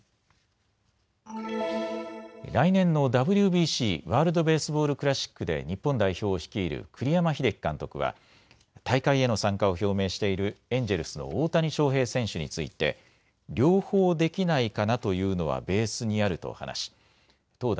来年のＷＢＣ・ワールド・ベースボール・クラシックで日本代表を率いる栗山英樹監督は大会への参加を表明しているエンジェルスの大谷翔平選手について両方できないかなというのはベースにあると話し投打